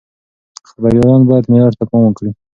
خبريالان بايد معيار ته پام وکړي.